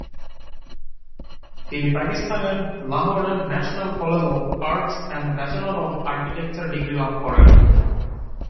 তিনি পাকিস্তানের লাহোরের ন্যাশনাল কলেজ অফ আর্টস থেকে ব্যাচেলর অফ আর্কিটেকচার ডিগ্রি লাভ করেন।